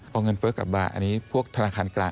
เอาเงินเฟ้อกลับมาอันนี้พวกธนาคารกลาง